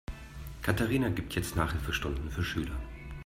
Katharina gibt jetzt Nachhilfestunden für Schüler.